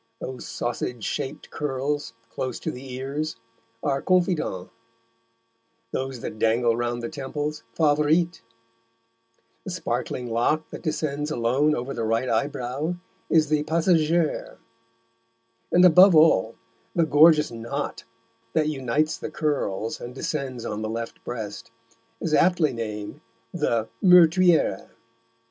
Those sausage shaped curls, close to the ears, are confidants; those that dangle round the temples, favorites; the sparkling lock that descends alone over the right eyebrow is the passagère; and, above all, the gorgeous knot that unites the curls and descends on the left breast, is aptly named the meurtrière.